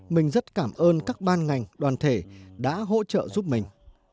mình rất cảm ơn các ban ngành đoàn thể đã hỗ trợ giúp mình